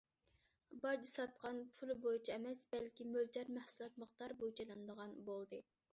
باج ساتقان پۇلى بويىچە ئەمەس، بەلكى مۆلچەر مەھسۇلات مىقدارى بويىچە ئېلىنىدىغان بولدى.